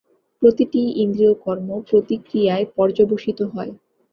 প্রতিটি ইন্দ্রিয়কর্ম প্রতিক্রিয়ায় পর্যবসিত হয়।